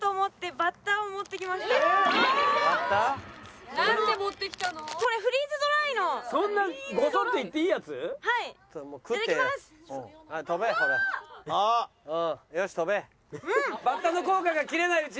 バッタの効果が切れないうちに。